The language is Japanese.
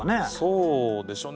そうでしょう。